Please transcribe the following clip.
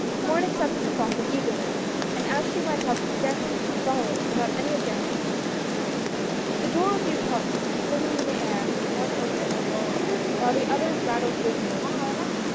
Morin accepted this offer eagerly, and as she went up the staircase, he followed without any objection from her. The door of " the apartment " was swinging in the air from one open window, while the others rattled dismally.